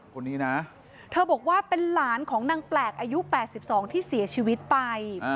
คนนี้นะเธอบอกว่าเป็นหลานของนางแปลกอายุ๘๒ที่เสียชีวิตไป